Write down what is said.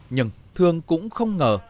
nhưng thương cũng không ngờ